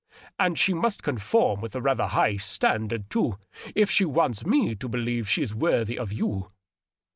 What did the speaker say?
And she must conform with a rather high standard, too, if she wants me to believe she's worthy of you.